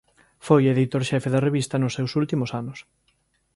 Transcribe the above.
Foi editor xefe da revista nos seus últimos anos.